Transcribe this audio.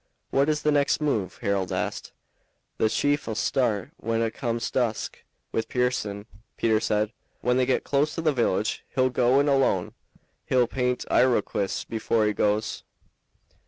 "What is the next move?" Harold asked. "The chief 'll start, when it comes dusk, with Pearson," Peter said. "When they git close to the village he'll go in alone. He'll paint Iroquois before he goes."